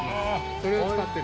それを使ってる。